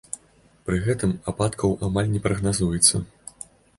Пры гэтым ападкаў амаль не прагназуецца.